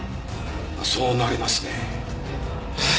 まあそうなりますね。